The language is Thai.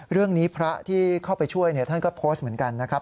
เรื่องนี้พระที่เข้าไปช่วยท่านก็โพสต์เหมือนกันนะครับ